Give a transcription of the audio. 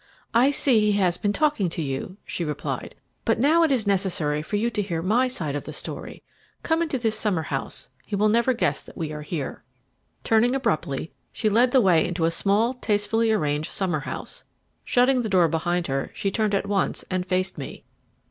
"I see he has been talking to you," she replied; "but now it is necessary for you to hear my side of the story. Come into this summer house; he will never guess that we are here." Turning abruptly, she led the way into a small, tastefully arranged summer house. Shutting the door behind her, she turned at once and faced me.